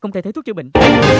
không thể thay thuốc chữa bệnh